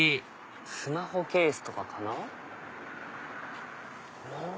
スマホケースとかかな？